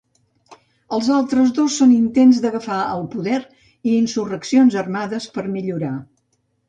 Els altres dos són intents d'agafar el poder i insurreccions armades per millorar.